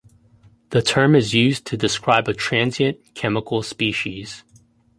The term is used to describe a transient chemical species.